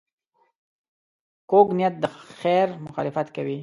کوږ نیت د خیر مخالفت کوي